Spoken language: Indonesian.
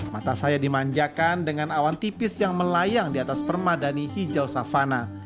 mata saya dimanjakan dengan awan tipis yang melayang di atas permadani hijau savana